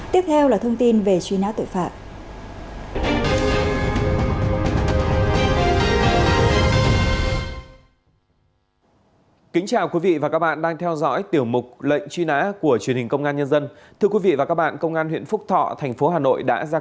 tiếp theo là thông tin về truy nã tội phạm